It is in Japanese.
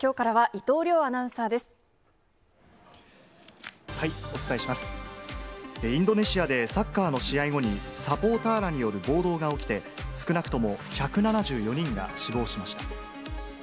インドネシアで、サッカーの試合後に、サポーターらによる暴動が起きて、少なくとも１７４人が死亡しました。